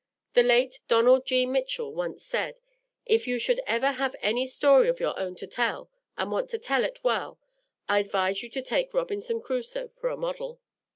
The late Donald G. Mitchell once said: "If you should ever have any story of your own to tell, and want to tell it well, I advise you to take Robinson Crusoe for a model!"